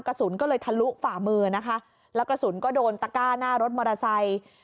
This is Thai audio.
กระสุนก็เลยทะลุฝ่ามือนะคะแล้วกระสุนก็โดนตะก้าหน้ารถมอเตอร์ไซค์